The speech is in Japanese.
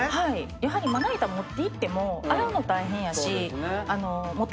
やはりまな板持っていっても洗うの大変やし持って帰るのも。